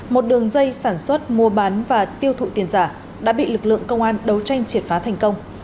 một đường dây sản xuất mua bán và tiêu thụ tiền giả đã bị lực lượng công an đấu tranh triệt phá thành công